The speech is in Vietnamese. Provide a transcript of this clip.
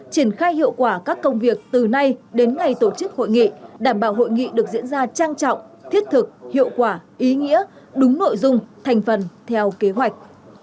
triển khai hiệu quả các công việc từ nay đến ngày tổ chức hội nghị đảm bảo hội nghị được diễn ra trang trọng thiết thực hiệu quả ý nghĩa đúng nội dung thành phần theo kế hoạch